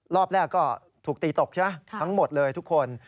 รอบแรกก็ถูกตีตกใช่ไหมทั้งหมดเลยทุกคน